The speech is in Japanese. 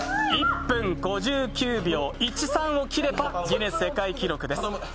１分５９秒１３を切ればギネス世界記録です。